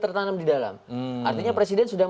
tertanam di dalam artinya presiden sudah